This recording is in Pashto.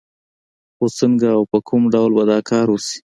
خو څنګه او په کوم ډول به دا کار وشي؟